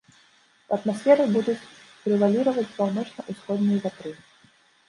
У атмасферы будуць прэваліраваць паўночна-ўсходнія вятры.